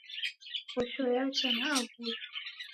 Posho yacha na aw'uye.